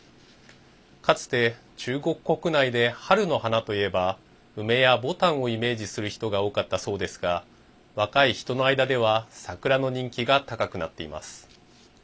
かつて中国国内で春の花といえば梅やボタンをイメージする人が多かったそうですが若い人の間では桜の人気が高くなっています。